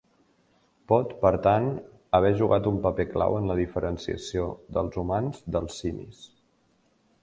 Pot, per tant, haver jugat un paper clau en la diferenciació dels humans dels simis.